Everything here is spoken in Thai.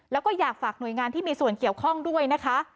แล้วก็อยากฝากหน่วยงานที่มีส่วนเกี่ยวข้องด้วยนะคะ